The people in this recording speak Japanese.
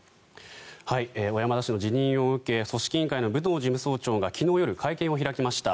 小山田氏の辞任を受け組織委員会の武藤事務総長が昨日夜、会見を開きました。